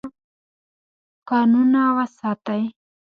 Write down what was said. کانونه وساتئ.